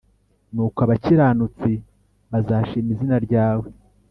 Nuko abakiranutsi bazashima izina ryawe